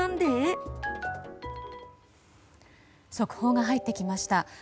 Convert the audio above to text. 速報が入ってきますた。